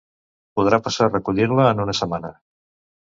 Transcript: Podrà passar a recollir-la en una setmana.